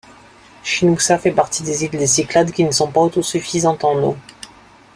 Schinoussa fait partie des îles des Cyclades qui ne sont pas autosuffisantes en eau.